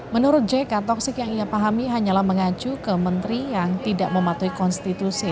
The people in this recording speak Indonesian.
menurut jk toksik yang ia pahami hanyalah mengacu ke menteri yang tidak mematuhi konstitusi